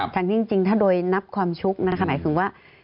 จากที่จริงถ้าโดยนับความชุกหมายถึงว่า